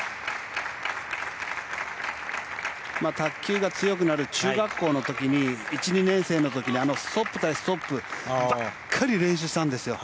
卓球が強くなる中学校の時に１、２年生の時にストップ対ストップばかり練習したんですよ。